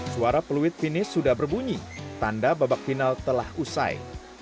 suara peluit finish sudah berbunyi tanda babak final telah usai